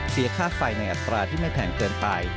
เสียค่าไฟในอัตราที่ไม่แพงเกินไป